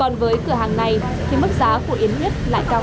còn với cửa hàng này thì mức giá của yến huyết lại cao